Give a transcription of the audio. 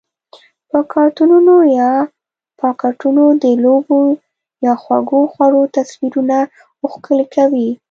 په کارتنونو یا پاکټونو د لوبو یا خوږو خوړو تصویرونه ښکلي کوي؟